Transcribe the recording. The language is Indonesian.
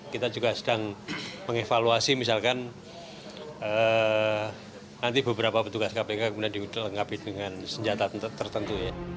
kita juga sedang mengevaluasi misalkan nanti beberapa petugas kpk kemudian dilengkapi dengan senjata tertentu ya